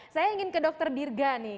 saya ingin ke dr dirga nih